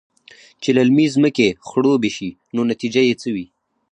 چې للمې زمکې خړوبې شي نو نتيجه يې څۀ وي؟